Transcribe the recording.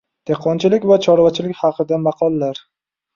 Dehqonchilik va chorvachilik haqida maqollar.